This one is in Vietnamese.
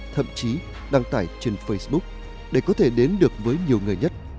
thậm chí đăng tải trên facebook để có thể đến được với nhiều người nhất